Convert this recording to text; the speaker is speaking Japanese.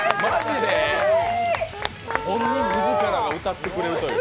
本人自らが歌ってくれるという。